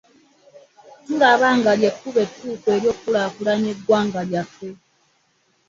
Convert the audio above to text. Tulaba nga ly'ekkubo ettuufu okukulaakulanya eggwanga lyaffe.